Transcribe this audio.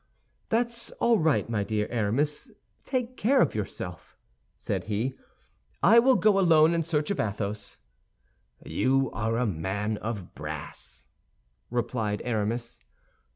"That's all right, my dear Aramis, take care of yourself," said he; "I will go alone in search of Athos." "You are a man of brass," replied Aramis.